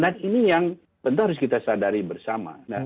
dan ini yang tentu harus kita sadari bersama